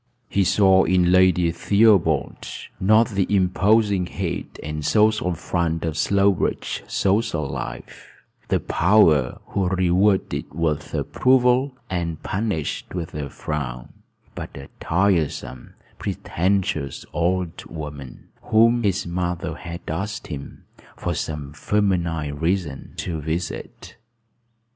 He saw in Lady Theobald, not the imposing head and social front of Slowbridge social life, the power who rewarded with approval and punished with a frown, but a tiresome, pretentious old woman, whom his mother had asked him, for some feminine reason, to visit.